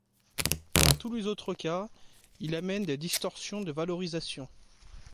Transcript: Dans tous les autres cas, il amène des distorsions de valorisation.